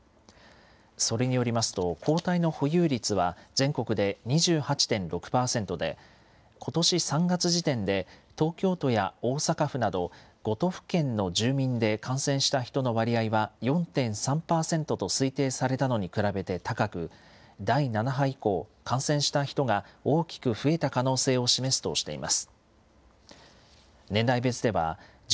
それによりますと、抗体の保有率は全国で２８．６％で、ことし３月時点で東京都や大阪府など、５都府県の住民で感染した人の割合は４．３％と推定されたのに比べて高く、第７波以降、感染した人が大きく増えた可能性を示すとしています。